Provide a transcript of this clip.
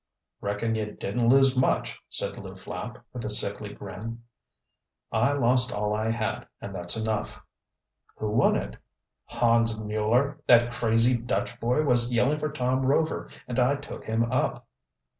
"Reckon you didn't lose much," said Lew Flapp, with a sickly grin. "I lost all I had, and that's enough." "Who won it?" "Hans Mueller. That crazy Dutch boy was yelling for Tom Rover and I took him up."